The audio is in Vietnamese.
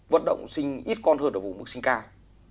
vận động sinh ít con hơn ở vùng mức sinh cao